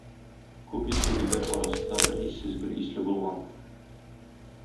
Күп исле гөлләр арасында бер иссез гөл исле булган